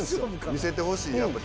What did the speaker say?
見せてほしい。